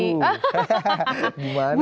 aduh aku gimana ya tadi